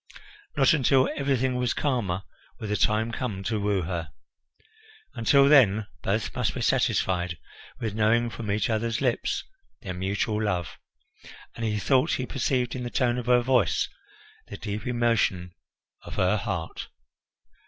Not until everything was calmer would the time come to woo her. Until then both must be satisfied with knowing from each other's lips their mutual love, and he thought he perceived in the tone of her voice the deep emotion of her heart.